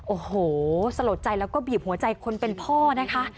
โอ้โหสลดใจแล้วก็บีบหัวใจคนเป็นพ่อนะคะ